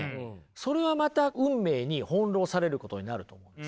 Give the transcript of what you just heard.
それはまた運命に翻弄されることになると思うんですよね。